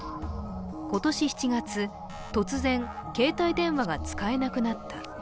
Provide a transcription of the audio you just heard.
今年７月、突然、携帯電話が使えなくなった。